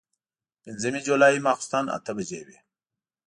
د پنځمې جولايې ماسخوتن اتۀ بجې وې